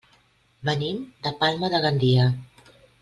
Venim de Palma de Gandia.